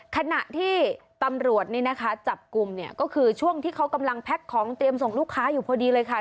ขณะที่ตำรวจนี่นะคะจับกลุ่มเนี่ยก็คือช่วงที่เขากำลังแพ็คของเตรียมส่งลูกค้าอยู่พอดีเลยค่ะ